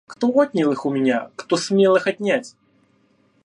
Кто отнял их у меня, кто смел их отнять!